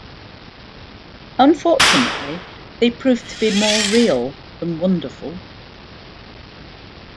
Unfortunately, they prove to be more real than wonderful.